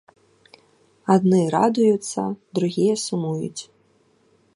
Адны радуюцца, другія сумуюць.